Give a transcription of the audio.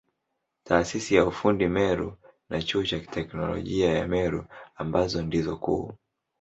Taasisi ya ufundi Meru na Chuo cha Teknolojia ya Meru ambazo ndizo kuu.